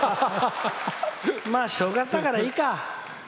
まあ、正月だからいいか。